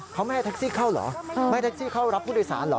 เขาไม่ให้แท็กซี่เข้าเหรอไม่แท็กซี่เข้ารับผู้โดยสารเหรอ